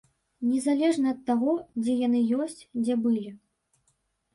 Незалежна ад таго, дзе яны ёсць, дзе былі.